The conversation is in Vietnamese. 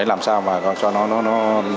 làm sao mà cho nó